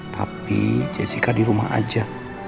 tapi jessica di rumah aja